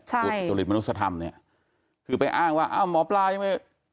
สุจริตมนุษยธรรมเนี่ยคือไปอ้างว่าอ้าวหมอปลายังไม่